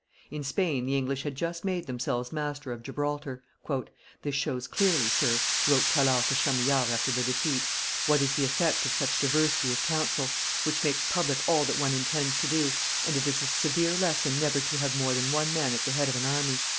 In Spain the English had just made themselves masters of Gibraltar. "This shows clearly, sir," wrote Tallard to Chamillard after the defeat, "what is the effect of such diversity of counsel, which makes public all that one intends to do, and it is a severe lesson never to have more than one man at the head of an army.